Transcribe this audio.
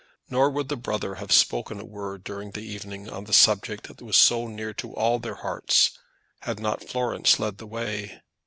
Nor would the brother have spoken a word during the evening on the subject that was so near to all their hearts had not Florence led the way.